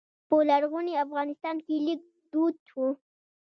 په لرغوني افغانستان کې لیک دود و